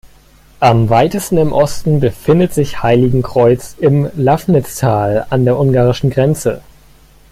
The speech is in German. Am weitesten im Osten befindet sich Heiligenkreuz im Lafnitztal an der ungarischen Grenze.